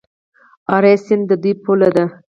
اراس سیند د دوی پوله ده.